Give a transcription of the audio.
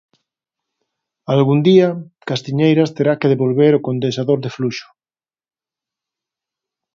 Algún día, Castiñeiras terá que devolver o condensador de fluxo.